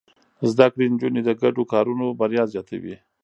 زده کړې نجونې د ګډو کارونو بريا زياتوي.